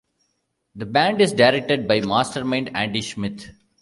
The band is directed by Mastermind Andy Schmidt.